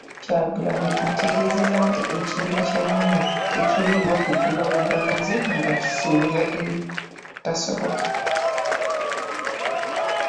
Kyagulanyi ategeezezza nti ekibiina kya Nuupu, tekiriiwo kugula buganzi nga kisuubiza ebitasoboka.